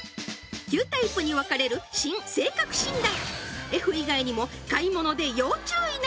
９タイプに分かれる新性格診断